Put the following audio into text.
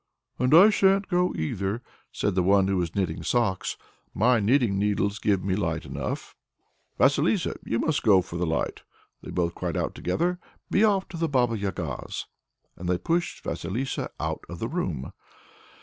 "And I shan't go, either," said the one who was knitting socks. "My knitting needles give me light enough." "Vasilissa, you must go for the light," they both cried out together; "be off to the Baba Yaga's!" And they pushed Vasilissa out of the room.